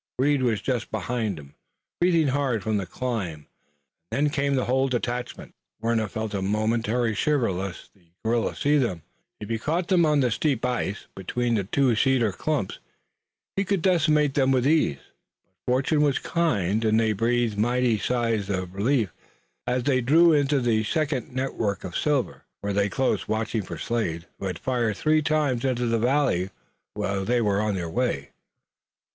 Reed was just behind him, breathing hard from the climb, and then came the whole detachment. Warner felt a momentary shiver lest the guerrilla see them. If he caught them on the steep ice between the two cedar clumps he could decimate them with ease. But fortune was kind and they breathed mighty sighs of relief as they drew into the second network of silver, where they lay close watching for Slade, who had fired three times into the valley while they were on the way.